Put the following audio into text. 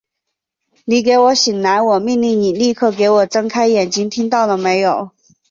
你给我醒来！我命令你立刻给我睁开眼睛，听到了没有！